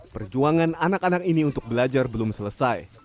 perjuangan anak anak ini untuk belajar belum selesai